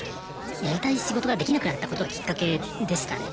やりたい仕事ができなくなったことがきっかけでしたね。